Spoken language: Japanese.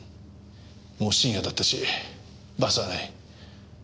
もう深夜だったしバスはない。